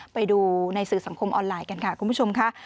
ไปดูในสื่อสังคมออนไลน์กันค่ะคุณผู้ชมค่ะ